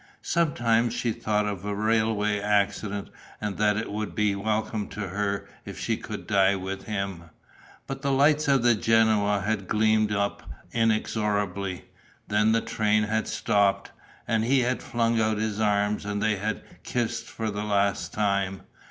Sometimes she thought of a railway accident and that it would be welcome to her if she could die with him. But the lights of Genoa had gleamed up inexorably. Then the train had stopped. And he had flung out his arms and they had kissed for the last time.